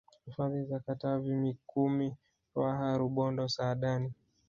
Hifadhi za Katavi Mikumi Ruaha Rubondo Saadani